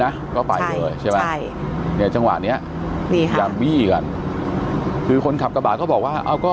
นะก็ไปด้วยใช่ไงเนี่ยจะหวานเนี้ยคือคนขับตรับบาดก็บอกว่าเอาก็